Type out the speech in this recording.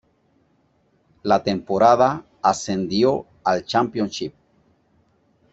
La temporada ascendió al Championship.